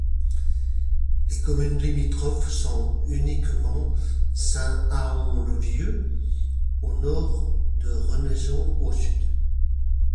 Les communes limitrophes sont uniquement Saint-Haon-le-Vieux au nord et Renaison au sud.